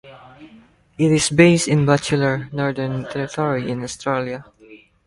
It is based in Batchelor, Northern Territory in Australia.